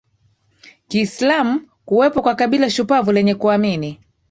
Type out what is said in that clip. Kiislamu Kuwepo kwa kabila shupavu lenye kuamini